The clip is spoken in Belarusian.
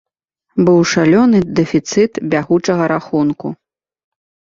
Быў шалёны дэфіцыт бягучага рахунку.